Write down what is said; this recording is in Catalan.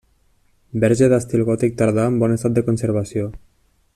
Verge d'estil gòtic tardà en bon estat de conservació.